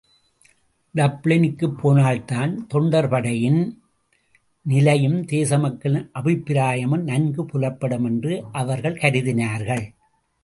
டப்ளினுக்குப் போனால்தான் தொண்டர்படையின் நிலையும், தேசமக்களின் அபிப்பிராயமும் நன்கு புலப்படும் என்று அவர்கள் கருதினார்கள்.